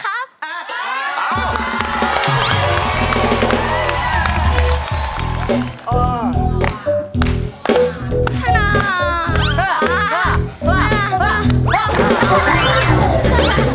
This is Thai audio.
คุณใช้ยาคุณหัวรอบหรือไม่